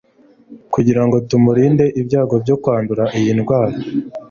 kugira ngo tumurinde ibyago byo kwandura iyi ndwara